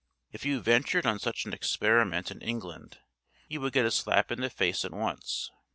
If you ventured on such an experiment in England you would get a slap in the face at once.